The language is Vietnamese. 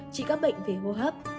chỉ có bệnh về hô hấp